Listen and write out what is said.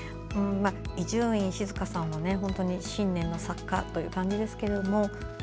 伊集院静さんは本当に信念の作家という感じですけど